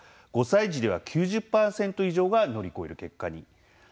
５歳児では９０％以上が乗り越える結果に。